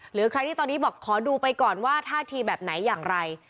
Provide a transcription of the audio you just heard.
หรือใครที่ตอนนี้บอกขอดูไปก่อนว่าท่าทีแบบไหนอย่างไร